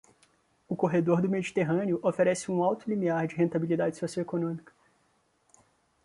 O corredor do Mediterrâneo oferece um alto limiar de rentabilidade socioeconômica.